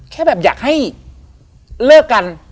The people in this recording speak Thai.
แค่แบบอยากให้เลิกกัน